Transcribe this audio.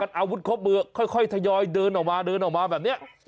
อาวุธครบมือค่อยทยอยเดินออกมาแบบนี้